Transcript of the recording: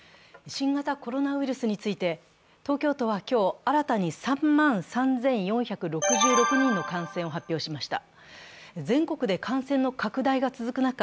新型コロナウイルスについて東京都は今日、新たに３万３４６６人の感染を発表しました。